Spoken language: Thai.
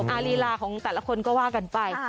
ลีลาของแต่ละคนก็ว่ากันไป